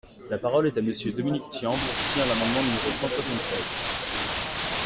La parole est à Monsieur Dominique Tian, pour soutenir l’amendement numéro cent soixante-seize.